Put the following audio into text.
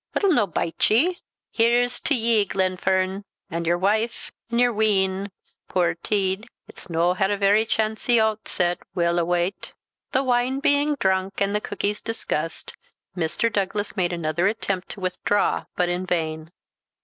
It'll no bite ye. Here's t'ye, Glenfern, an' your wife, an' your wean, puir tead; it's no had a very chancy ootset, weel a wat." The wine being drunk, and the cookies discussed, Mr. Douglas made another attempt to withdraw, but in vain.